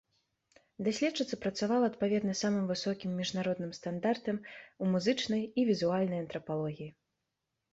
Даследчыца працавала адпаведна самым высокім міжнароднымі стандартам у музычнай і візуальнай антрапалогіі.